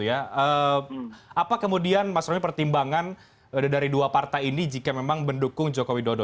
apa kemudian mas romy pertimbangan dari dua partai ini jika memang mendukung jokowi dodo